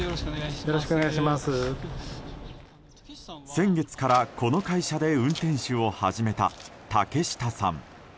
先月から、この会社で運転手を始めた竹下さん。